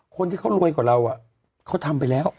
คนที่เขารวยกว่าเราเขาทำไปแล้ว